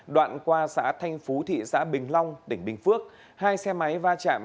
đoạn qua xã thanh phú thị xã bình long tỉnh bình phước hai xe máy va chạm